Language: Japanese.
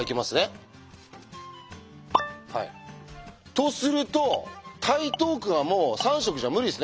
とすると台東区はもう３色じゃ無理ですね。